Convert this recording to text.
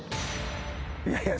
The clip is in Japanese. いやいや。